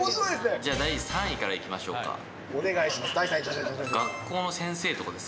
じゃあ第３位からいきましょお願いします。